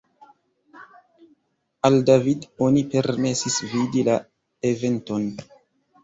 Al David oni permesis vidi la eventon.